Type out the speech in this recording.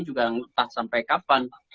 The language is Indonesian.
juga entah sampai kapan